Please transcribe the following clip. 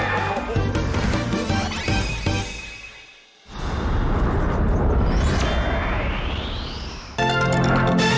ไม่ดีเลยไม่มีความจำพอ